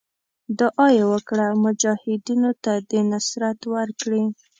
دعا یې وکړه مجاهدینو ته دې نصرت ورکړي.